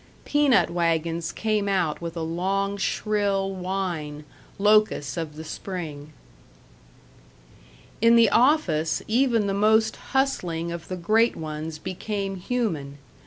Peanut wagons came out with a long, shrill whine, locusts of the spring. In the office even the most hustling of the great ones became human.